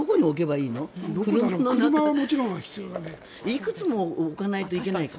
いくつも置かないといけないね。